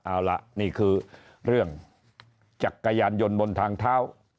เอาล่ะนี่คือเรื่องจักรยานยนต์บนทางเท้า